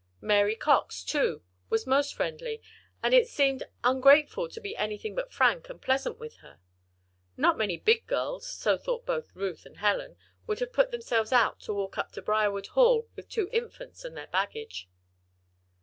Mary Cox, too, was most friendly, and it seemed ungrateful to be anything but frank and pleasant with her. Not many big girls (so thought both Ruth and Helen) would have put themselves out to walk up to Briarwood Hall with two Infants and their baggage.